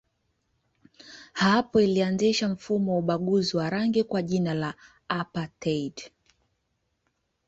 Hapo ilianzisha mfumo wa ubaguzi wa rangi kwa jina la apartheid.